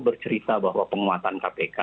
bercerita bahwa penguatan kpk